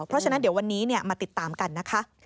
เพราะฉะนั้นเดี๋ยววันนี้มาติดตามกันนะคะ